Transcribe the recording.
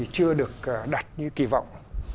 chưa được đặt như kỳ vọng